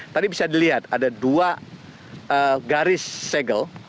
tadi bisa dilihat ada dua garis segel